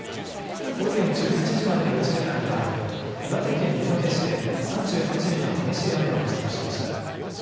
午前１１時までの１時間には岩手県二戸市で３８ミリの激しい雨を観測しました。